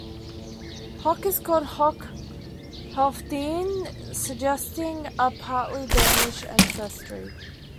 Hoc is called "Hoc Healfdene", suggesting a partly Danish ancestry.